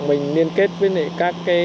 mình liên kết với các cái